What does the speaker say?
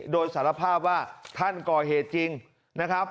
โดยสารภาพว่าท่านก่อเหตุจริงนะครับ